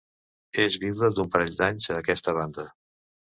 És viuda d'un parell d'anys a aquesta banda.